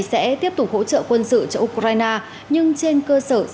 sẽ tiếp tục hỗ trợ quân sự cho ukraine nhưng trên cơ sở song phương